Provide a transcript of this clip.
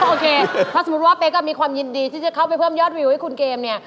โอเคถ้าสมมุติว่าเป๊กมีความยินดีที่จะเข้าไปเพิ่มยอดวิวให้คุณเกมเนี่ย